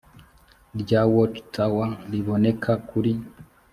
rya watchtower riboneka kuri